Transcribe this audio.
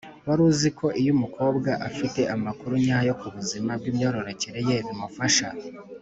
wari uzi ko iyo umukobwa afite amakuru nyayo ku buzima bw’imyororokere ye bimufasha,